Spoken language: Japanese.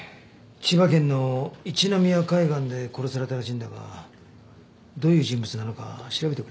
千葉県の一宮海岸で殺されたらしいんだがどういう人物なのか調べてくれ。